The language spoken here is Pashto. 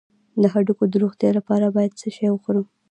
د هډوکو د روغتیا لپاره باید څه شی وخورم؟